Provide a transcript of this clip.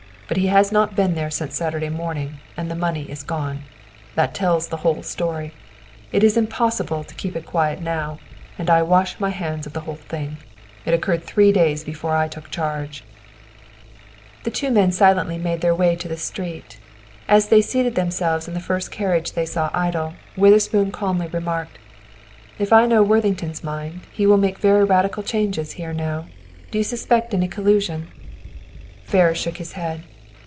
But he has not been there since Saturday morning, and the money is gone. That tells the whole story. It's impossible to keep it quiet now, and I wash my hands of the whole thing. It occurred three days before I took charge." The two young men silently made their way to the street. As they seated themselves in the first carriage they saw idle, Witherspoon calmly remarked, "If I know Worthington's mind, he will make very radical changes here now. Do you suspect any collusion?" Ferris shook his head.